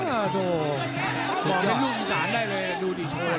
อ๋อโธ่บอกไม่ยุ่งอีสานได้เลยดูดีเชิญเลย